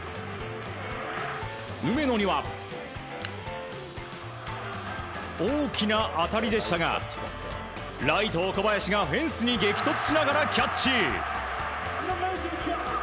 梅野には、大きな当たりでしたがライト岡林がフェンスに激突しながらキャッチ！